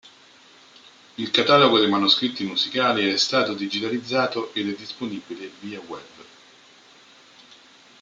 Il catalogo dei manoscritti musicali è stato digitalizzato ed è disponibile via web.